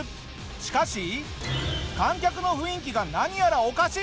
しかし観客の雰囲気が何やらおかしい。